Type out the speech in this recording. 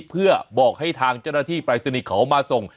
เพื่อบอกให้ทางเจ้าหน้าที่ปรายศนีย์เขามาส่ง